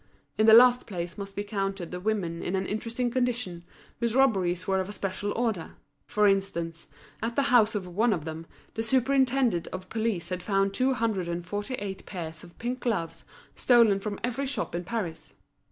In the last place must be counted the women in an interesting condition, whose robberies were of a special order. For instance, at the house of one of them, the superintendent of police had found two hundred and forty eight pairs of pink gloves stolen from every shop in Paris.